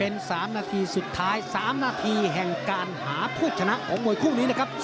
เป็น๓นาทีสุดท้าย๓นาทีแห่งการหาผู้ชนะของมวยคู่นี้นะครับ